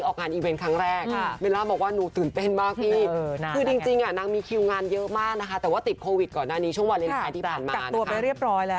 กลับตัวไปเรียบร้อยแล้ว